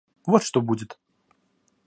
Вот что будет.